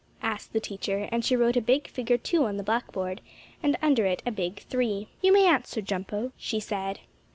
asked the teacher, and she wrote a big figure 2 on the blackboard, and under it a big 3. "You may answer, Jumpo," she said.